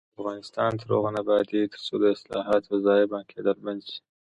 افغانستان تر هغو نه ابادیږي، ترڅو د حاصلاتو ضایع کیدل بند نشي.